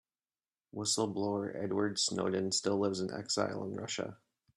Whistle-blower Edward Snowden still lives in exile in Russia.